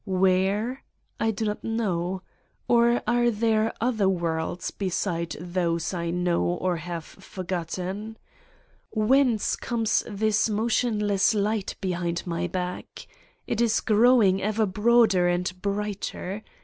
Where? I do not know. Or are there other worlds beside those I know or have forgotten? Whence comes this motionless light behind my back! It is growing ever broader and brighter.